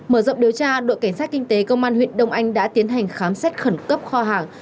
mở rộng điều tra đội cảnh sát kinh tế công an huyện đông anh đã tiến hành khám xét khẩn cấp kho hàng